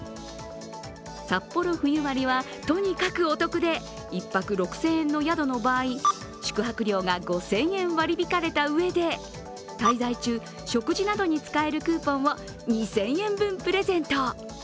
サッポロ冬割はとにかくお得で、１泊６０００円の宿の場合、宿泊料が５０００円割り引かれたうえで滞在中、食事などに使えるクーポンを２０００円分プレゼント。